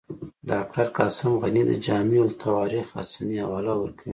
ډاکټر قاسم غني د جامع التواریخ حسني حواله ورکوي.